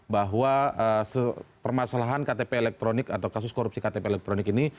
bahwa permasalahan ktp elektronik atau kasus korupsi ktp elektronik ini